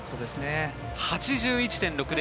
８１．６０。